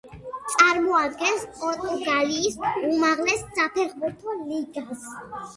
წარმოადგენს პორტუგალიის უმაღლეს საფეხბურთო ლიგას.